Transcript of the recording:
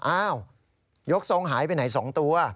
อ้าวยกทรงหายไปไหน๒ตัว